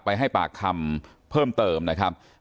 ให้ปากคำเพิ่มเติมนะครับ